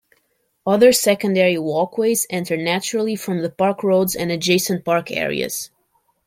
Other secondary walkways enter naturally from the park roads and adjacent park areas.